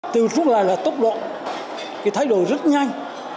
từ trước lại là tốc độ cái thay đổi rất nhanh